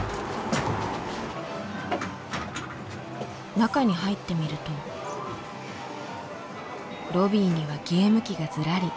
中に入ってみるとロビーにはゲーム機がずらり。